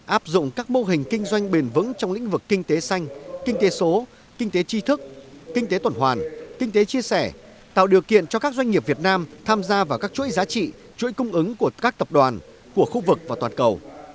áp dụng các mô hình kinh doanh bền vững trong lĩnh vực kinh tế xanh kinh tế số kinh tế tri thức kinh tế tuần hoàn kinh tế chia sẻ tạo điều kiện cho các doanh nghiệp việt nam tham gia vào các chuỗi giá trị chuỗi cung ứng của các tập đoàn của khu vực và toàn cầu